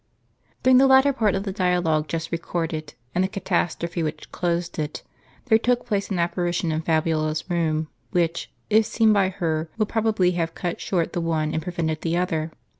jTJKING tlie latter part of the dialogue just recorded, and the catastrophe which closed it, there took place an apparition in Fabi ola'sroom, which, if seen by her, would prob qMj have cut short the one and prevented the other.